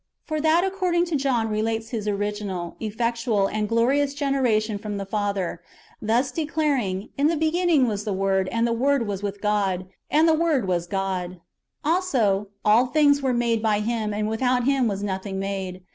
For that according to John relates His original, effectual, and glorious generation from the Father, thus declaring, " In the beginning was the Word, and the Word was with God, and the Word w^as God." ^ Also, " all things were made by Him, and without Him was nothing made."